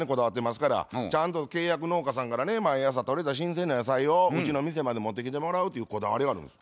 ちゃんと契約農家さんからね毎朝とれた新鮮な野菜をうちの店まで持ってきてもらうというこだわりがあるんです。